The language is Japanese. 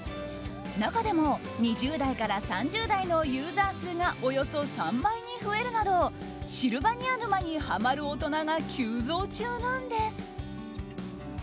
中でも２０代から３０代のユーザー数がおよそ３倍に増えるなどシルバニア沼にハマる大人が急増中なんです。